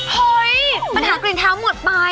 เฮ้ยปัญหากลิ่นเท้าหมดไป